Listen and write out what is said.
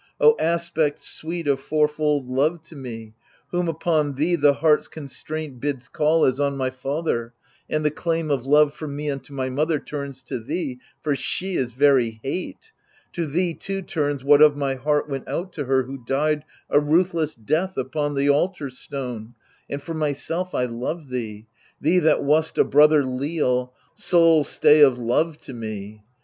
O aspect sweet of fourfold love to me, Whom upon thee the heart's constraint bids call As on my father, and the claim of love From me unto my mother turns to thee, For she is very hate ; to thee too turns What of my heart went out to her who died A ruthless death upon the altar stone ; And for myself I love thee — thee that wast A brother leal, sole stay of love to me.